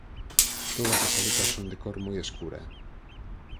Todas as aletas son de cor moi escura.